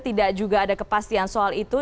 tidak juga ada kepastian soal itu